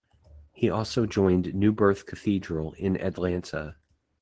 He also joined New Birth Cathedral in Atlanta.